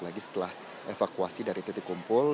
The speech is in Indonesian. lagi setelah evakuasi dari titik kumpul